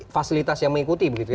fasilitas yang mengikuti